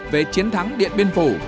về chiến thắng điện biên phủ